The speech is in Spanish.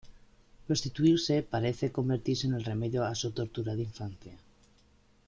Prostituirse "parece" convertirse en el remedio a su "torturada infancia".